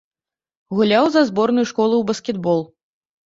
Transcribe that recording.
Гуляў за зборную школы ў баскетбол.